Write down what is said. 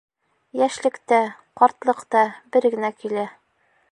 Йәшлек тә, ҡартлыҡ та бер генә килә.